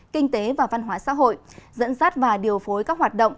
kinh tế và văn hóa xã hội dẫn dắt và điều phối các hoạt động